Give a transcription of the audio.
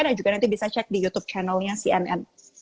dan juga nanti bisa cek di youtube channel nya cnn